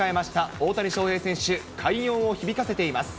大谷翔平選手、快音を響かせています。